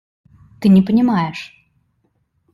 Ты не понимаешь.